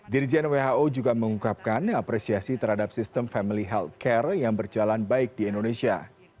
dirjen who juga mengungkapkan apresiasi terhadap sistem family healthcare yang berjalan baik di indonesia